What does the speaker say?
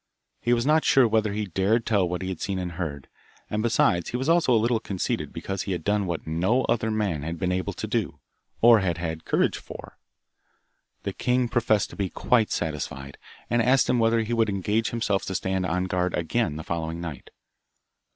He was not sure whether he dared tell what he had seen and heard, and besides he was also a little conceited because he had done what no other man had been able to do, or had had courage for. The king professed to be quite satisfied, and asked him whether he would engage himself to stand on guard again the following night.